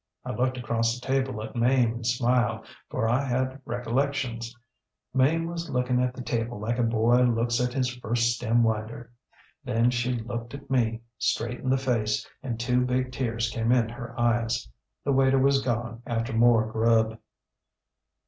I looked across the table at Mame and smiled, for I had recollections. Mame was looking at the table like a boy looks at his first stem winder. Then she looked at me, straight in the face, and two big tears came in her eyes. The waiter was gone after more grub.